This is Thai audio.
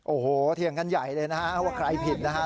โอ้โฮเถียงกันใหญ่เลยนะครับว่าใครผิดนะครับ